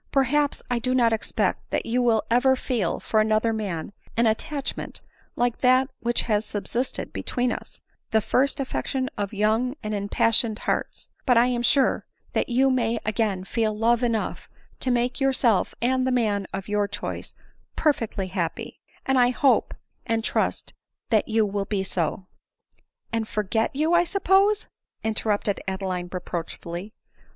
Perhaps I do not expect that you will ever feel, for another man, an attach ment like that which has subsisted between us — the first affection of young and impassioned hearts ; but I am sure that you may again feel love enough to make yourself and the man of your choice perfectly happy ; and I hope and trust that you will be so." " And forget you, I suppose ?" interrupted Adeline reproachfully.